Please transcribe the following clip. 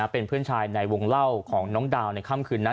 เป็นเพื่อนชายในวงเล่าของน้องดาวในค่ำคืนนั้น